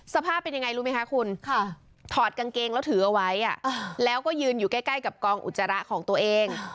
สภาพเป็นยังไงรู้ไหมคะคุณถอดกางเกงแล้วถือเอาไว้แล้วก็ยืนอยู่ใกล้กับกองอุจจาระของตัวเอง